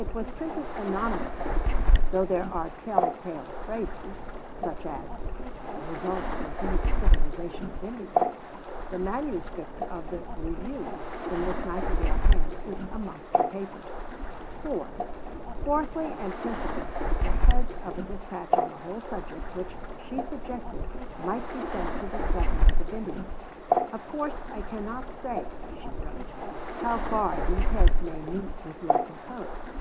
It was printed anonymously, though there are tell tale phrases (such as "The result will be the civilization of India"); the manuscript of the "review," in Miss Nightingale's hand, is amongst her papers. (4) Fourthly, and principally, the heads of a dispatch on the whole subject which, she suggested, might be sent to the Government of India. "Of course I cannot say," she wrote, "how far these heads may meet with your concurrence."